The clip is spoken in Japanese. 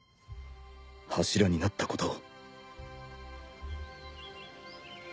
柱になったことを